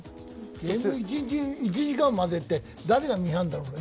ゲーム一日１時間までって誰が見張るんだろうね。